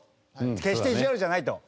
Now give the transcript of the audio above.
決して意地悪じゃないと。